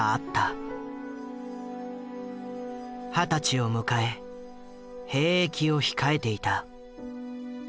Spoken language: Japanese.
二十歳を迎え兵役を控えていた。